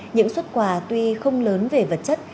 những xuất quà tuy không lớn về vật chất